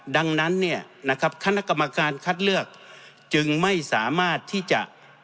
ดังนั้นเนี่ยนะครับคณะกรรมการคัดเลือกจึงไม่สามารถที่จะ